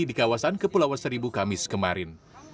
di kawasan kepulauan seribu kamis kemarin